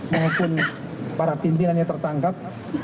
maupun para pimpinannya tertangkap